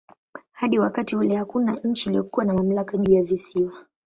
Hadi wakati ule hakuna nchi iliyokuwa na mamlaka juu ya visiwa.